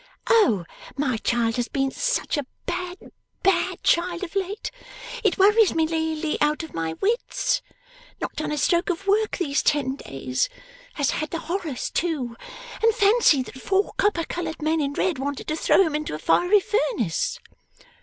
O my child has been such a bad, bad child of late! It worries me nearly out of my wits. Not done a stroke of work these ten days. Has had the horrors, too, and fancied that four copper coloured men in red wanted to throw him into a fiery furnace.